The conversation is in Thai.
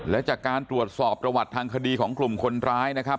และจากการตรวจสอบประวัติทางคดีของกลุ่มคนร้ายนะครับ